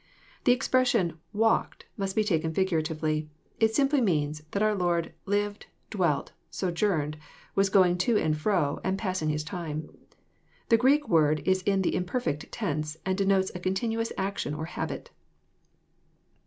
The expression '* walked" must be taken figuratively. It simply means, that our Lord "lived, dwelt, sojourned, was going to and fro, and passing his time." The Greek word is in the Imperfect tense, and denotes a continuous action or habit.